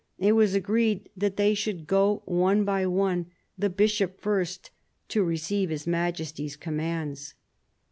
It was agreed that they should go one by one, the Bishop first, to receive His Majesty's commands.